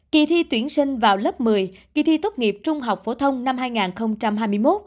kỳ thi tuyển sinh vào lớp một mươi kỳ thi tốt nghiệp trung học phổ thông năm hai nghìn hai mươi một